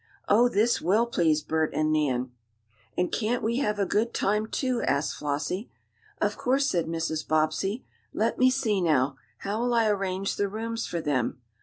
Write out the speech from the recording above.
Oh, this will please Bert and Nan!" "And can't we have a good time, too?" asked Flossie. "Of course," said Mrs. Bobbsey. "Let me see now; how will I arrange the rooms for them?